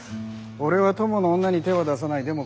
俺は友の女に手は出さない。